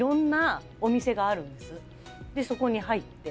そこに入って。